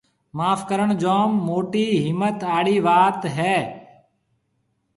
معاف ڪرڻ جوم موٽِي هِمٿ آݪِي وات هيَ۔